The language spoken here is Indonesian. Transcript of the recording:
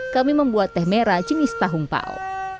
kami membuat teh merah jenis tahung pao